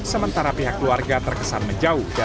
sementara pihak keluarga terkesan menjauh